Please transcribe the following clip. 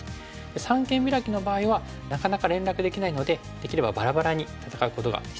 三間ビラキの場合はなかなか連絡できないのでできればバラバラに戦うことが必要になってきます。